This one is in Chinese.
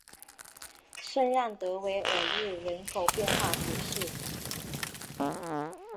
圣让德韦尔日人口变化图示